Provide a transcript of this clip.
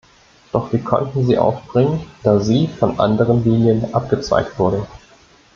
Doch wir konnten sie aufbringen, da sie von anderen Linien abgezweigt wurde.